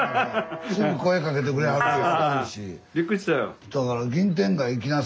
すぐ声かけてくれはるし。